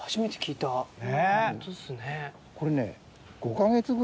これね。